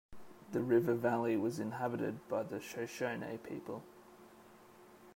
The river valley was inhabited by the Shoshone people.